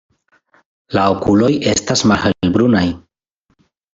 La okuloj estas malhelbrunaj.